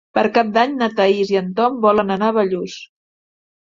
Per Cap d'Any na Thaís i en Tom volen anar a Bellús.